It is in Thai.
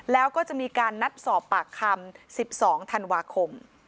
แล้วก็จะมีการนัดสอบปากคำ๑๒ธันวาคม